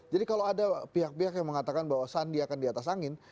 jadi kalau ada pihak pihak yang mengatakan bahwa sandi akan di atas angin